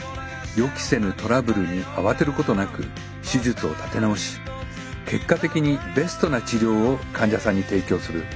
予期せぬトラブルに慌てることなく手術を立て直し結果的にベストな治療を患者さんに提供する。